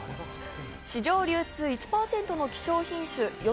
市場流通１％の希少品種、よ